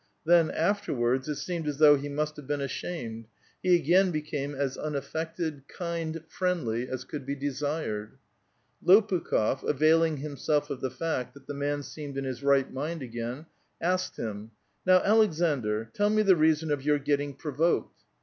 Then, afterwards, it seemed as though he must have been ashamed ; he again be came as unaffected, kind, friendly, as could be desired. I^) pukh6f, availing himself of the fact that the man seemed in his right mind again, asked him :—*' Now, Aleksandr, tell me the reason of your getting pro voked."